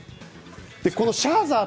このシャーザー